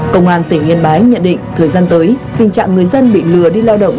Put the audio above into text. công an tỉnh yên bái nhận định thời gian tới tình trạng người dân bị lừa đi lao động